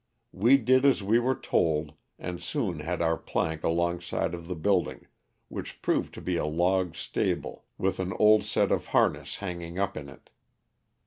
We did as we were told and soon had our plank along side of the building, which proved to be a log stable with an old set of harness hanging up in it.